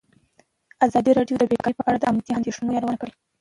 ازادي راډیو د بیکاري په اړه د امنیتي اندېښنو یادونه کړې.